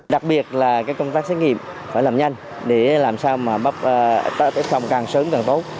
đặc biệt là công tác xét nghiệm phải làm nhanh để làm sao mà phòng càng sớm càng tốt